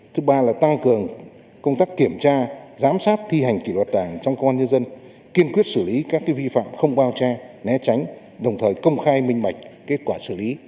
thứ ba là tăng cường công tác kiểm tra giám sát thi hành kỷ luật đảng trong công an nhân dân kiên quyết xử lý các vi phạm không bao che né tránh đồng thời công khai minh mạch kết quả xử lý